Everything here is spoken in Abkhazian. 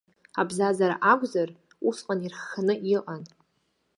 Абзазара акәзар, усҟан ирхханы иҟан.